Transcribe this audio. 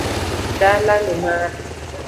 Dala ni mara